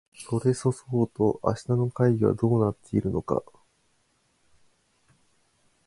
それそそうと明日の会議はどうなっているのか